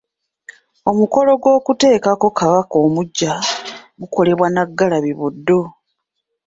Omukolo gw'okutekako kabaka omuggya gukolebwa Nnaggalabi- Buddo.